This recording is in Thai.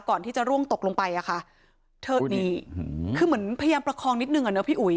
ก่อนที่จะร่วงตกลงไปอ่ะค่ะเธอนี่คือเหมือนพยายามประคองนิดนึงอ่ะเนอะพี่อุ๋ย